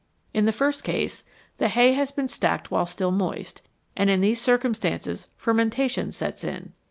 In the first case the hay has been stacked while still moist, and in these circumstances fermentation sets in.